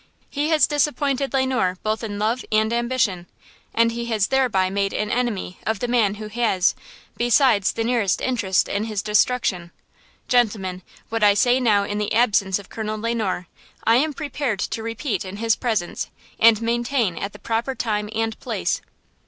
He has disappointed Le Noir both in love and ambition. And he has thereby made an enemy of the man who has, besides, the nearest interest in his destruction. Gentlemen, what I say now in the absence of Colonel Le Noir, I am prepared to repeat in his presence, and maintain at the proper time and place."